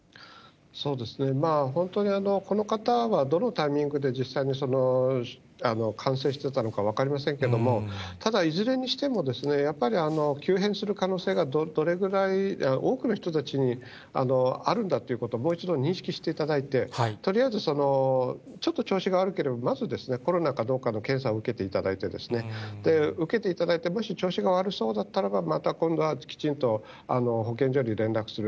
そうですね、本当に、この方がどのタイミングで実際に感染してたのか分かりませんけども、ただ、いずれにしてもやっぱり、急変する可能性がどれぐらい、多くの人たちにあるんだということを、もう一度認識していただいて、とりあえず、ちょっと調子が悪ければ、まずコロナかどうかの検査を受けていただいて、受けていただいて、もし調子が悪かったらば、また今度はきちんと保健所に連絡する。